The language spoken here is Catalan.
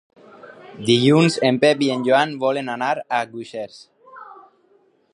Dilluns en Pep i en Joan volen anar a Guixers.